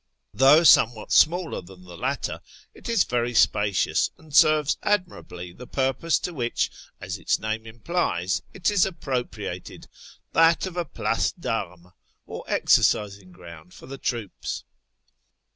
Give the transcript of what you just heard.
Though somewhat smaller than the latter, it is very spacious, and serves admirably the purpose to which, as its name implies, it is appropriated — that of a place (Varmcs, or exercising ground for the troops.